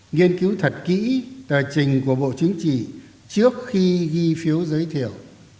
nghiên cứu thật kỹ tờ trình của bộ chính trị trước khi ghi phiếu giới thiệu